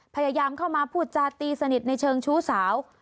พยายามเข้ามาพูดจาตีสนิทในเชิงชู้สาว